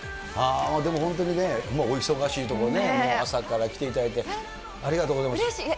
でも本当にね、お忙しいところね、朝から来ていただいて、ありがとうございます。